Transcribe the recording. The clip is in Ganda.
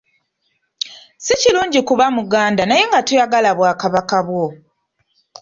Si kirungi kuba Muganda naye nga toyagala bwakabaka bwo.